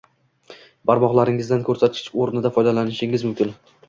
Barmoqlaringizdan koʻrsatkich oʻrnida foydalanishingiz mumkin